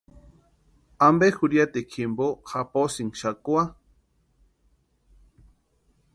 ¿Ampe jurhiatikwa jimpo japosïnki xakwa?